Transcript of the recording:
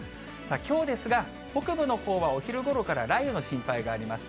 きょうですが、北部のほうはお昼ごろから雷雨の心配があります。